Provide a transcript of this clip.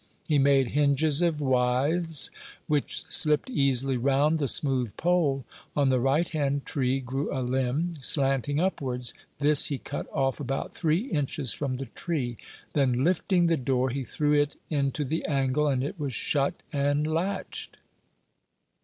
He made hinges of withes, which slipped easily round the smooth pole. On the right hand tree grew a limb, slanting upwards; this he cut off about three inches from the tree; then lifting the door, he threw it into the angle, and it was shut and latched.